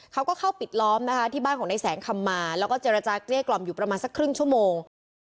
เขาก็เข้าปิดล้อมนะคะที่บ้านของนายแสงคำมาแล้วก็เจรจาเกลี้ยกล่อมอยู่ประมาณสักครึ่งชั่วโมง